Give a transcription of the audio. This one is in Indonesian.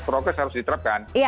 prokes harus diterapkan